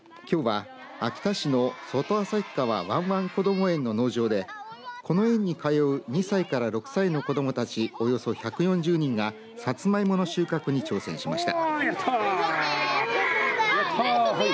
きょうは秋田市の外旭川わんわんこども園の農場でこの園に通う２歳から６歳の子どもたちおよそ１４０人がサツマイモの収穫に挑戦しました。